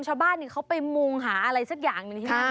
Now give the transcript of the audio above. ชาวบ้านเขาไปมุงหาอะไรซักอย่าง